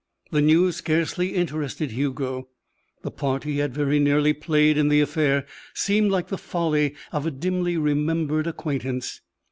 The news scarcely interested Hugo. The part he had very nearly played in the affair seemed like the folly of a dimly remembered acquaintance.